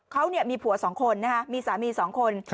เขามีผัวสองคนนะครับมีสามีสองคน